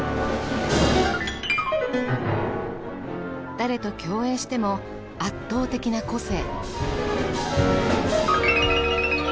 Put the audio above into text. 誰と共演しても圧倒的な個性。